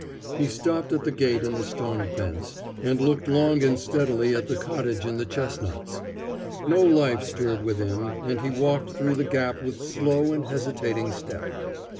He stopped at the gate in the stone fence, and looked long and steadily at the cottage in the chestnuts. No life stirred within, and he walked through the gap with slow and hesitating step.